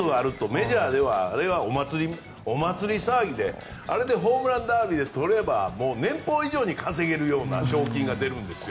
メジャーではお祭り騒ぎであれでホームランダービーで取れば年俸以上に稼げるような賞金が出るんですよ。